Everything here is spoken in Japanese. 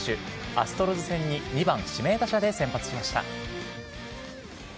アストロズ戦に２番指名打者で先発しました。